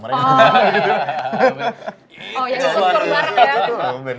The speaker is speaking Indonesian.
oh yang ke tur marang ya